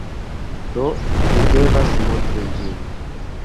Do, mi devas montri ĝin.